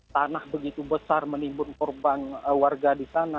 tanah begitu besar menimbun korban warga di sana